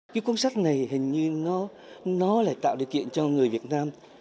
cái cuốn sách này hình như nó lại tạo điều kiện cho người việt nam